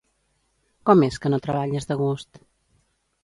Com es que no treballes de gust?